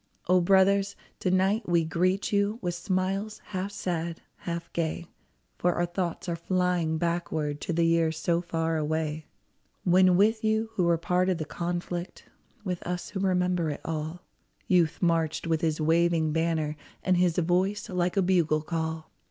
O brothers, to night we greet you With smiles, half sad, half gay — For our thoughts are flying backward To the years so far away — When with you who were part of the conflict, With us who remember it all, Youth marched with his waving banner, And his voice like a bugle call